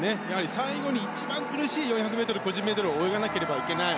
最後に一番苦しい４００ｍ個人メドレーを泳がなければいけない。